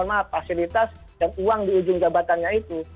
dan mereka dikasih kasilitas dan uang di ujung jabatannya itu